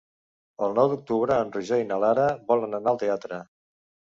El nou d'octubre en Roger i na Lara volen anar al teatre.